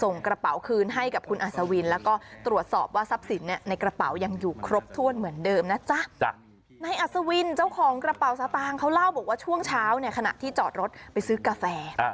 อัศวินเจ้าของกระเป๋าสตางค์เขาเล่าบอกว่าช่วงเช้าเนี่ยขณะที่จอดรถไปซื้อกาแฟ